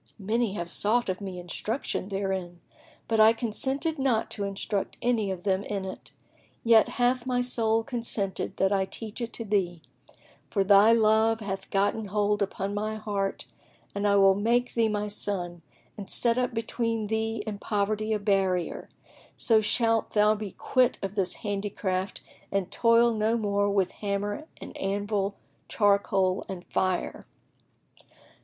Many have sought of me instruction therein, but I consented not to instruct any of them in it; yet hath my soul consented that I teach it to thee, for thy love hath gotten hold upon my heart and I will make thee my son and set up between thee and poverty a barrier, so shalt thou be quit of this handicraft and toil no more with hammer and anvil,[FN#10] charcoal and fire."